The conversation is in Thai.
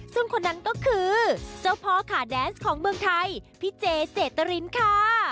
ซึ่งคนนั้นก็คือเจ้าพ่อขาแดนส์ของเมืองไทยพี่เจเจตรินค่ะ